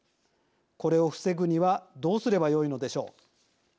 これを防ぐにはどうすればよいのでしょう。